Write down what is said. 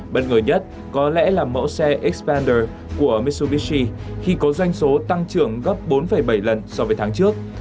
bất ngờ nhất có lẽ là mẫu xe xpander của mitsubishi khi có doanh số tăng trưởng gấp bốn bảy lần so với tháng trước